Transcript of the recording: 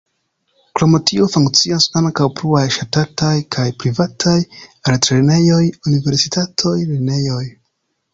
Krom tio funkcias ankaŭ pluaj ŝtataj kaj privataj altlernejoj, universitatoj, lernejoj.